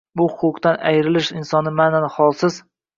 Bu huquqdan ayrilish insonni ma’nan holsiz